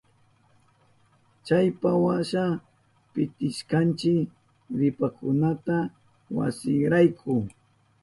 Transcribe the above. Chaypawasha pitishkanchi ripakunata wasinrayku.